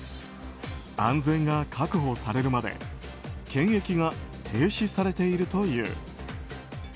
安全が確保されるまで検疫が停止されているという。